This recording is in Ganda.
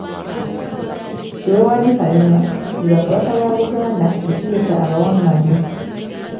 Kiweewa ne Kalema be ba Kabaka ba Buganda be tuyita abawangami.